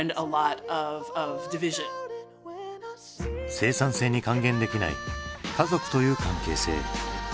生産性に還元できない家族という関係性。